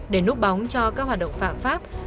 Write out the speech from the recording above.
để núp bóng cho các hoạt động phạm pháp